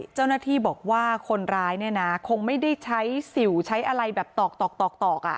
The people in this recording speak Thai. เจ้าหน้าที่บอกว่าคนร้ายเนี่ยนะคงไม่ได้ใช้สิวใช้อะไรแบบตอก